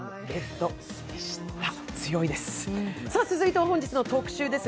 続いては本日の特集です。